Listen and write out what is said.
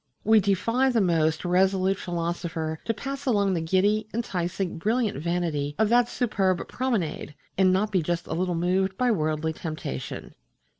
We defy the most resolute philosopher to pass along the giddy, enticing, brilliant vanity of that superb promenade and not be just a little moved by worldly temptation.